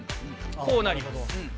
こうなります。